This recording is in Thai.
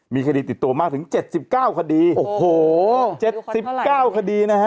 มีคดีติดตัวมากถึงเจ็ดสิบเก้าคดีโอ้โหเจ็ดสิบเก้าคดีนะฮะ